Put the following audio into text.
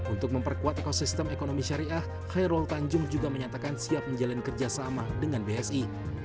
untuk memperkuat ekosistem ekonomi syariah khairul tanjung juga menyatakan siap menjalin kerjasama dengan bsi